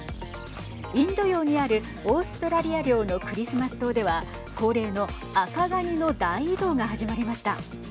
インド洋にあるオーストラリア領のクリスマス島では恒例の赤がにの大移動が始まりました。